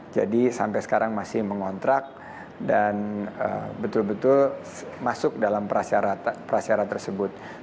jadi sampai sekarang masih mengontrak dan betul betul masuk dalam persyaratan tersebut